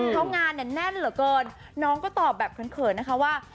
เข้างานแน่นเหรอเกินน้องก็ตอบแบบเขินนะคะว่า